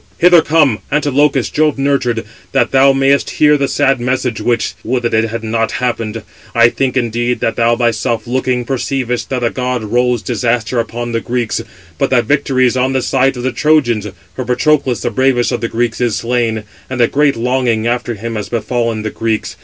hither come, Antilochus, Jove nurtured, that thou mayest hear the sad message which—would that it had not happened. I think, indeed, that thou thyself looking, perceivest that a god rolls disaster upon the Greeks, but that victory is on the side of the Trojans; for Patroclus, the bravest of the Greeks, is slain; and a great longing [after him] has befallen the Greeks.